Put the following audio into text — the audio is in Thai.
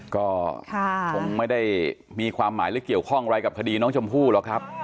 ก็คงไม่ได้มีความหมายหรือเกี่ยวข้องอะไรกับคดีน้องชมพู่หรอกครับ